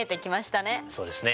そうですね。